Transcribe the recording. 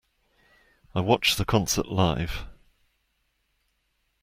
I watched the concert live.